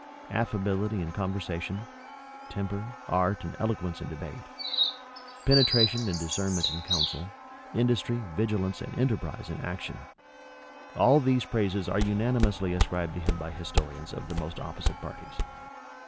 Affability in conversation; temper, art, and eloquence in debate; penetration and discernment in counsel; industry, vigilance, and enterprise in action; all these praises are unanimously ascribed to him by historians of the most opposite parties.